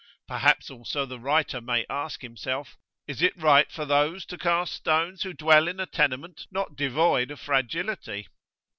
Perhaps also the writer may ask himself, Is it right for those to cast stones who dwell in a tenement not devoid of fragility?